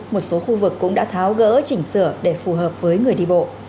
một số khu vực cũng đã tháo gỡ chỉnh sửa để phù hợp với người đi bộ